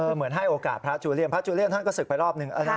เหมือนให้โอกาสพระจูเลียนพระจูเลียนท่านก็ศึกไปรอบหนึ่ง